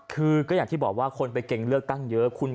คือก็อย่างที่บอกว่าคนไปเก่งเลือกตั้งเยอะ